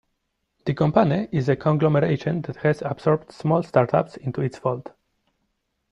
The company is a conglomeration that has absorbed small startups into its fold.